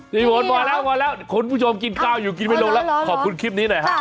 พี่ฝนมาแล้วมาแล้วคุณผู้ชมกินข้าวอยู่กินไม่ลงแล้วขอบคุณคลิปนี้หน่อยฮะ